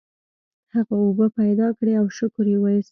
هغه اوبه پیدا کړې او شکر یې وویست.